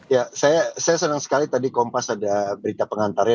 ya saya senang sekali tadi kompas ada berita pengantarnya